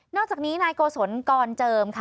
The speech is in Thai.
อกจากนี้นายโกศลกรเจิมค่ะ